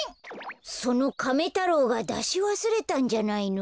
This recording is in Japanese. そのカメ太郎がだしわすれたんじゃないの？